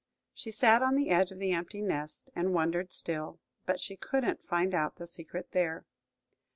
She sat on the edge of the empty nest and wondered still; but she couldn't find out the secret there.